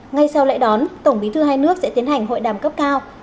ngay sau lễ đón tổng bí thư hai nước sẽ tiến hành hội đàm cấp cao